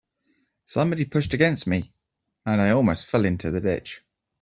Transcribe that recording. Somebody pushed against me, and I almost fell into the ditch.